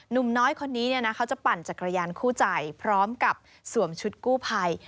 หนุ่มน้อยคนนี้เขาจะปั่นจักรยานคู่ใจพร้อมกับสวมชุดกู้ภัย